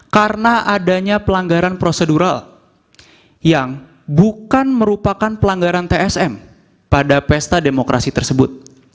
karena adanya pelanggaran prosedural yang bukan merupakan pelanggaran tsm pada pesta demokrasi tersebut